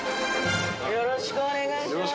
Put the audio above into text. よろしくお願いします